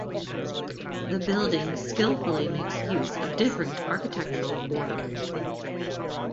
The building skillfully makes use of different architectural orders.